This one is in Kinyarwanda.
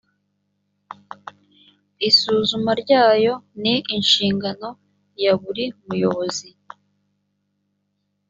isuzuma ryayo ni inshingano ya buri muyobozi